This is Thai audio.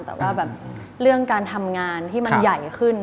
แต่ว่าแบบเรื่องการทำงานที่มันใหญ่ขึ้น